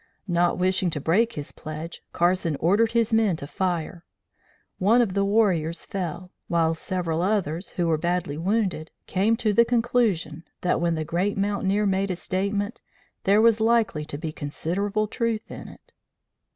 Not wishing to break his pledge, Carson ordered his men to fire, One of the warriors fell, while several others, who were badly wounded, came to the conclusion that when the great mountaineer made a statement there was likely to be considerable truth in it.